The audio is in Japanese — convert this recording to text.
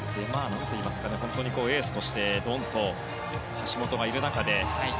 本当にエースとしてドンと橋本がいる中で。